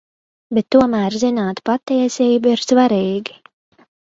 Bet tomēr zināt patiesību ir svarīgi.